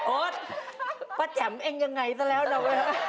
โอ๊ดประแจมเองยังไงซะแล้วนะเว้ย